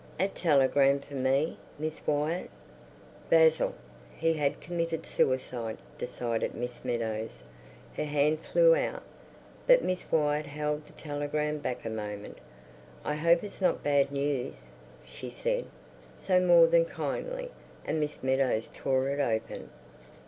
"A telegram for me, Miss Wyatt?" Basil! He had committed suicide, decided Miss Meadows. Her hand flew out, but Miss Wyatt held the telegram back a moment. "I hope it's not bad news," she said, so more than kindly. And Miss Meadows tore it open.